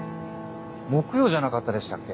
木曜じゃなかったでしたっけ？